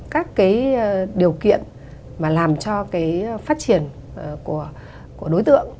các cái điều kiện mà làm cho cái phát triển của đối tượng